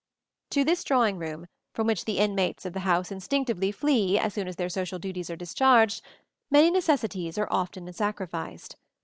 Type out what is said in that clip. ] To this drawing room, from which the inmates of the house instinctively flee as soon as their social duties are discharged, many necessities are often sacrificed.